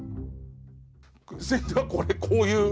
先生はこういう？